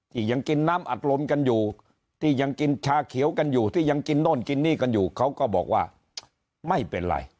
ยังกินน้ำอัดลมกันอยู่ที่ยังกินชาเขียวกันอยู่ที่ยังกินโน่นกินนี่กันอยู่เขาก็บอกว่าไม่เป็นไร